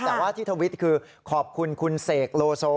แต่ว่าที่ทวิตคือขอบคุณคุณเสกโลโซ